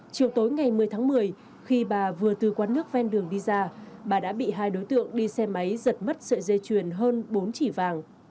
chiều tối ngày một mươi tháng một mươi khi bà vừa từ quán nước ven đường đi ra bà đã bị hai đối tượng đi xe máy giật mất sợi dây chuyền hơn bốn chỉ vàng